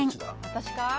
私か？